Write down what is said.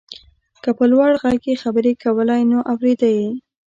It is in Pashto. که په لوړ غږ يې خبرې کولای نو اورېده يې.